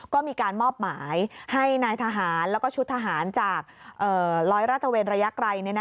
ก็มีการมอบหมายให้นายทหารแล้วก็ชุดทหารจากร้อยราชเวนระยะไกล